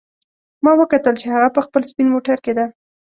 ما وکتل چې هغه په خپل سپین موټر کې ده